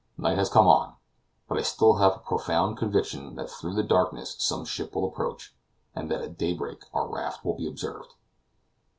Night has come on; but I have still a profound conviction that through the darkness some ship will approach, and that at daybreak our raft will be observed.